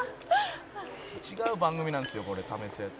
「違う番組なんですよこれ試すやつ」